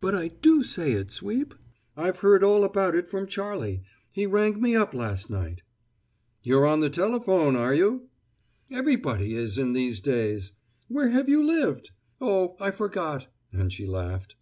"But I do say it, Sweep! I've heard all about it from Charlie. He rang me up last night." "You're on the telephone, are you?" "Everybody is in these days. Where have you lived? Oh, I forgot!" And she laughed.